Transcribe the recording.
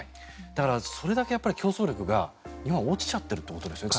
だから、それだけ競争力が日本は海外と比べて落ちちゃっているということですよね。